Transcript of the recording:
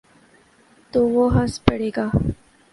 تو وہ ہنس پڑے گا۔